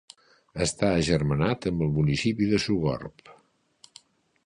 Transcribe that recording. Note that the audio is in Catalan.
Està agermanat amb el municipi de Sogorb.